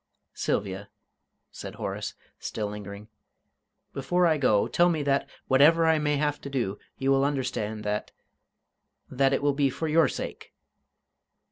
"Sylvia," said Horace, still lingering, "before I go, tell me that, whatever I may have to do, you will understand that that it will be for your sake!"